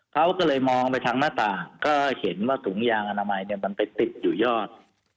เขาก็เลยมองไปทางหน้าต่างก็เห็นว่าถุงยางอนามัยเนี่ยมันไปติดอยู่ยอด